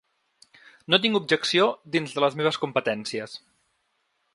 No tinc objecció dins de les meves competències.